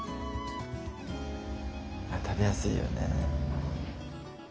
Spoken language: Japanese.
あ食べやすいよね。